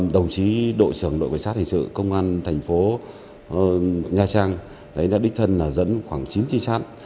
đồng chí đội trưởng đội quyết sát hình sự công an thành phố nha trang đã đích thân dẫn khoảng chín chi sát